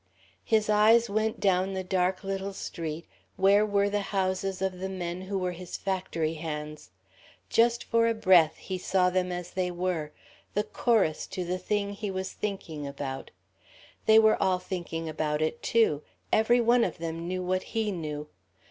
His eye went down the dark little street where were the houses of the men who were his factory "hands." Just for a breath he saw them as they were, the chorus to the thing he was thinking about. They were all thinking about it, too. Every one of them knew what he knew....